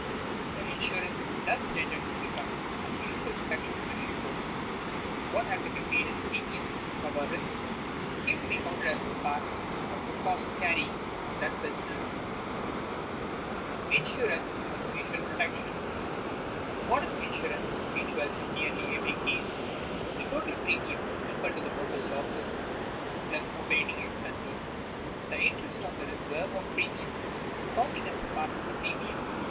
The insurance thus tended to become a mutual protection to the ship owners; what had to be paid in premiums to cover risk came to be counted as part of the cost of carrying on that business. [Sidenote: Insurance as mutual protection] Modern insurance is mutual in nearly every case: the total premiums equal the total losses plus operating expenses, the interest on the reserve of premiums counting as part of the premium.